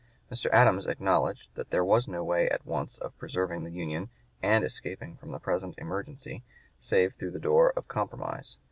Mr. Adams acknowledged that there was no way at once of preserving the Union and escaping from the present emergency save through the door of compromise.